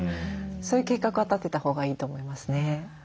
そういう計画は立てたほうがいいと思いますね。